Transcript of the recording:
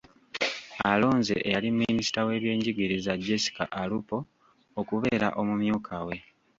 Alonze eyali minisita w’ebyenjigiriza, Jessica Alupo, okubeera omumyuka we.